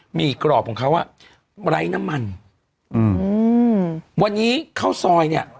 หี่กรอบของเขาอ่ะไร้น้ำมันอืมวันนี้ข้าวซอยเนี้ย